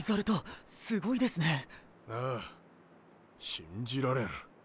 信じられん。